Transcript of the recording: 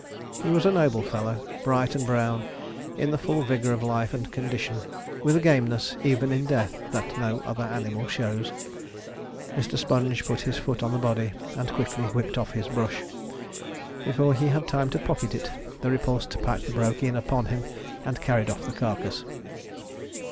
He was a noble fellow; bright and brown, in the full vigour of life and condition, with a gameness, even in death, that no other animal shows. Mr. Sponge put his foot on the body, and quickly whipped off his brush. Before he had time to pocket it, the repulsed pack broke in upon him and carried off the carcass.